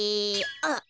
あっ！